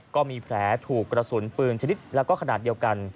ก็มีแผลถูกกระสุนปืนชนิดแล้วก็ขนาดเดียวกัน